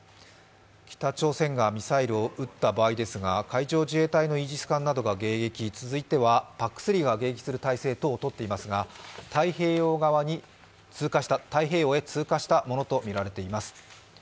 北朝鮮がミサイルを撃った場合ですが海上自衛隊のイージス艦などが迎撃、続いてはＰＡＣ３が迎撃する体制をとっていますが、太平洋へ通過したものとみられています。